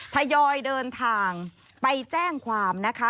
ทยอยเดินทางไปแจ้งความนะคะ